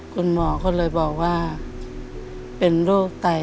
คุณหมอก็เลยบอกว่าเป็นโรคไต